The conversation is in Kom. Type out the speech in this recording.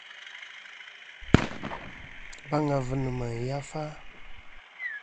Baŋ avɨ nɨ ma yafa.